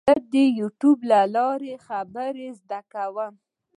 زه د یوټیوب له لارې خبرې زده کوم.